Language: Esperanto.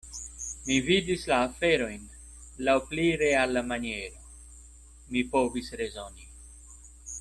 Mi vidis la aferojn laŭ pli reala maniero; mi povis rezoni.